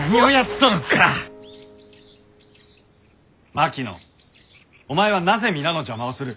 槙野お前はなぜ皆の邪魔をする？